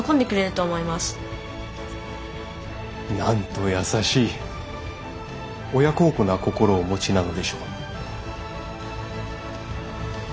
なんと優しい親孝行な心をお持ちなのでしょう。